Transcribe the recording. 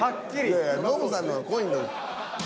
いやいやノブさんのが濃いの。